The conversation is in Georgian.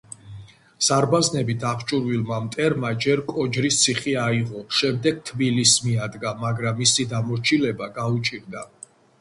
ზარბაზნებით აღჭურვილმა მტერმა ჯერ კოჯრის ციხე აიღო, შემდეგ თბილისს მიადგა, მაგრამ მისი დამორჩილება გაუჭირდა.